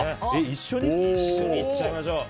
一緒にいっちゃいましょう。